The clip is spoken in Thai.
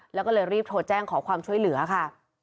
แล้วก็เลยรีบโทรแจ้งขอความช่วยเหลือค่ะ